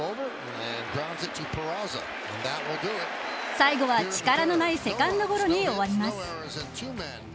最後は力のないセカンドゴロに終わります。